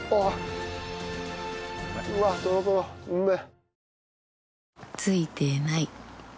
うわっトロトロうめえ！